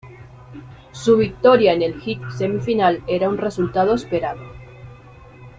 Su victoria en el hit semifinal era un resultado esperado.